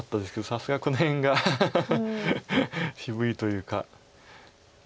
さすがこの辺が渋いというか。